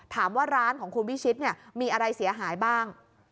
ถามว่าร้านของคุณพี่ชิดมีอะไรเสียหายบ้าง